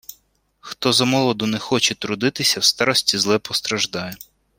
Хто замолоду не хоче трудитися, в старості зле постраждає.